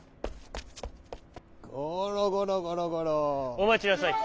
おまちなさい。